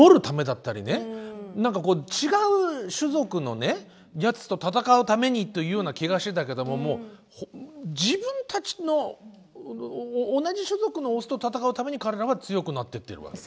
何か違う種族のねやつと戦うためにというような気がしてたけどももう自分たちの同じ種族のオスと戦うために体が強くなってってるわけだ。